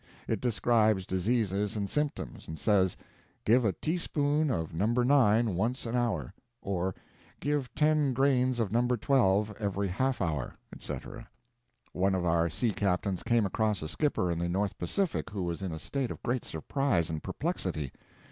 It describes diseases and symptoms, and says, "Give a teaspoonful of No. 9 once an hour," or "Give ten grains of No. 12 every half hour," etc. One of our sea captains came across a skipper in the North Pacific who was in a state of great surprise and perplexity.